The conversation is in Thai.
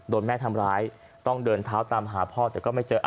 แม่ทำร้ายต้องเดินเท้าตามหาพ่อแต่ก็ไม่เจอ